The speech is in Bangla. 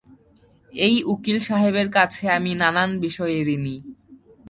এই উকিল সাহেবের কাছে আমি নানান বিষয়ে ঋণী।